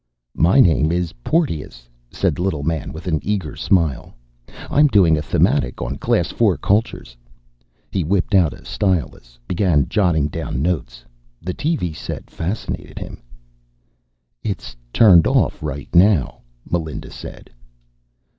"My name is Porteous," said the little man with an eager smile. "I'm doing a thematic on Class IV cultures." He whipped out a stylus, began jotting down notes. The TV set fascinated him. "It's turned off right now," Melinda said.